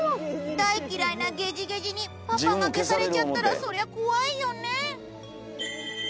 大嫌いなゲジゲジにパパが消されちゃったらそりゃ怖いよね。